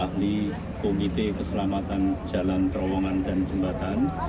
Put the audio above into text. pakli komite keselamatan jalan perowongan dan jembatan